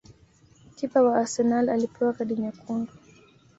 Kipa wa Arsenal alipewa kadi nyekundu